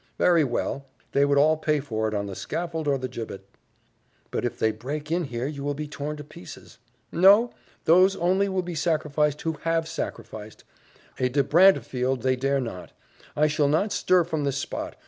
"Very well. They would all pay for it on the scaffold or the gibbet." "But if they break in here you will be torn to pieces." "No those only will be sacrificed who have sacrificed. A 'de Brantefield' they dare not! I shall not stir from this spot.